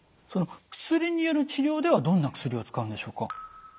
その薬による治療ではどんな薬を使うんでしょうか？